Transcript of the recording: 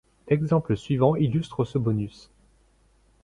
L'exemple suivant illustre ce bonus.